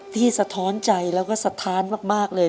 สะท้อนใจแล้วก็สะท้านมากเลย